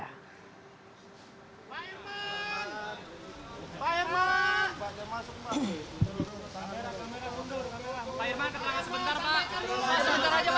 pak irman pak irman